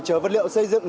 chở vật liệu xây dựng